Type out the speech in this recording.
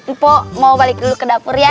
tipo mau balik dulu ke dapur ya